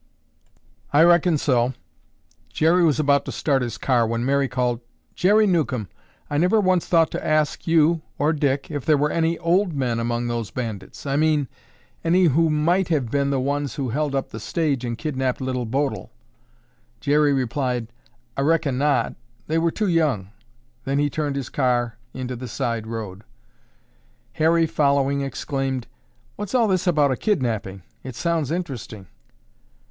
"I reckon so." Jerry was about to start his car when Mary called, "Jerry Newcomb, I never once thought to ask you or Dick if there were any old men among those bandits, I mean, any who might have been the ones who held up the stage and kidnapped Little Bodil." Jerry replied, "I reckon not. They were too young." Then he turned his car into the side road. Harry, following, exclaimed, "What's all this about a kidnapping? It sounds interesting."